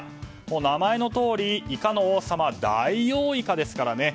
名前のとおりイカの王様ダイオウイカですから。